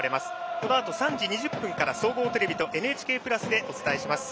このあと３時２０分から総合テレビと「ＮＨＫプラス」でお伝えします。